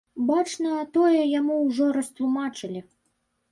Бачна, тое яму ўжо растлумачылі.